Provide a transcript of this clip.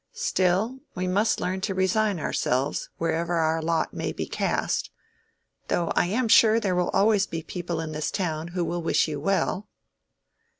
"Still, we must learn to resign ourselves, wherever our lot may be cast. Though I am sure there will always be people in this town who will wish you well."